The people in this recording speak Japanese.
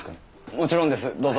もちろんですどうぞ。